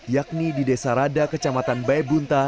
yakni di desa rada kecamatan bae bunta